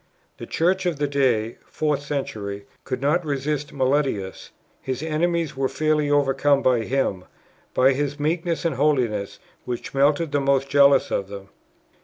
The Church of the day [4th century] could not resist Meletius; his enemies were fairly overcome by him, by his meekness and holiness, which melted the most jealous of them."